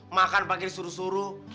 makan pagi disuruh suruh